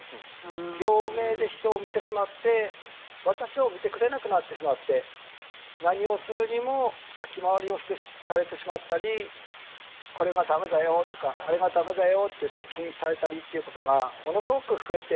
病名で人を見てしまって私を見てくれなくなってしまって何をするにも先回りをしてされてしまったりこれが駄目だよとかあれが駄目だよっていって禁止されたりっていうことがものすごく増えて。